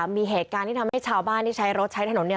มีเหตุการณ์ที่ทำให้ชาวบ้านที่ใช้รถใช้ถนนเนี่ย